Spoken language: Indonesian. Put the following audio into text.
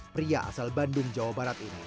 pria asal bandung jawa barat ini